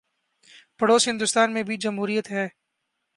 پڑوس ہندوستان میں بھی جمہوریت ہے۔